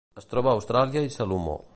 Es troba a Austràlia i Salomó.